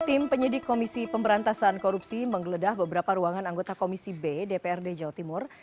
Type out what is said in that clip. tim penyidik komisi pemberantasan korupsi menggeledah beberapa ruangan anggota komisi b dprd jawa timur